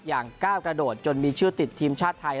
อย่างก้าวกระโดดจนมีชื่อติดทีมชาติไทย